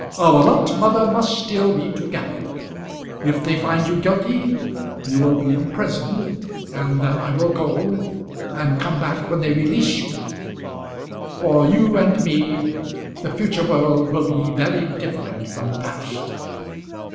"Our lot, mother, must still be together. If they find you guilty you will be imprisoned, and then I will go, and come back when they release you. For you and me the future world will be very different from the past."